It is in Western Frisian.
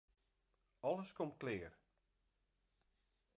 Alles komt klear.